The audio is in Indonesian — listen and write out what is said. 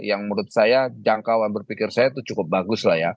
yang menurut saya jangkauan berpikir saya itu cukup bagus lah ya